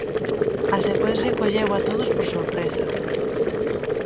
A secuencia colleu a todos por sorpresa.